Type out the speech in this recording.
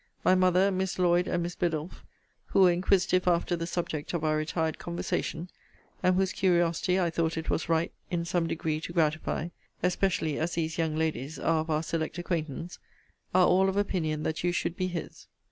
My mother, Miss Lloyd, and Miss Biddulph, who were inquisitive after the subject of our retired conversation, and whose curiosity I thought it was right, in some degree, to gratify, (especially as these young ladies are of our select acquaintance,) are all of opinion that you should be his.